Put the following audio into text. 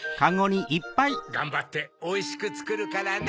がんばっておいしくつくるからね。